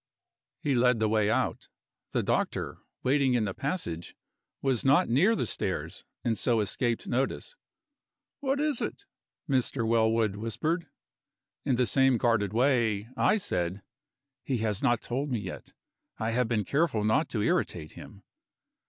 He led the way out. The doctor, waiting in the passage, was not near the stairs, and so escaped notice. "What is it?" Mr. Wellwood whispered. In the same guarded way, I said: "He has not told me yet; I have been careful not to irritate him."